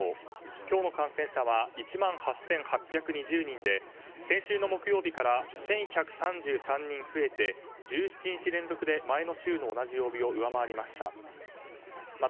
今日の感染者は１万８８２０人で先週の木曜日から１１３３人増えて１７日連続で前の週の同じ曜日を上回りました。